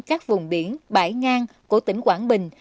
các vùng biển bãi ngang của tỉnh quảng bình